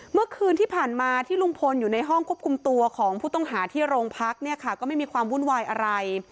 เมื่อคืนที่ผ่านมาที่ลุงพลอยู่ในห้องควบคุมตัวของผู้ต้องหาที่โรงพักเนี่ยค่ะก็ไม่มีความวุ่นวายอะไร